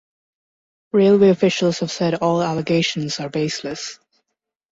Railway officials have said all allegations are baseless.